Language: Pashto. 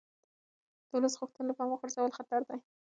د ولس غوښتنې له پامه غورځول خطر لري